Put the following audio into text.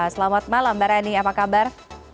selamat malam mbak rani apa kabar